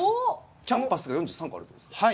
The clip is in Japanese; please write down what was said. キャンパスが４３個あるんですか？